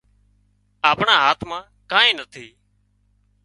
آپڻا هاٿ مان ڪانئين نٿي